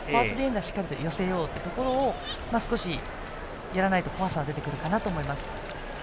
しっかりと寄せようというところを少しやらないと怖さが出てくるかなと思います。